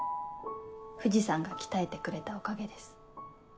藤さんが鍛えてくれたおかげです。